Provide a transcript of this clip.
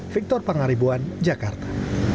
victor pangaribuan jakarta